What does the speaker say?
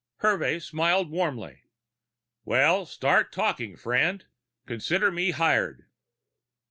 Hervey smiled warmly. "Well, start talking, friend. Consider me hired."